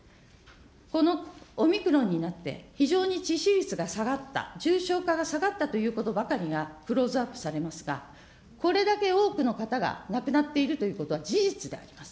このオミクロンになって非常に致死率が下がった、重症化が下がったということばかりがクローズアップされますが、これだけ多くの方が亡くなっているということは事実であります。